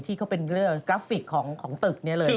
ที่เขาเป็นกราฟิกของตึกนี้เลยนะฮะ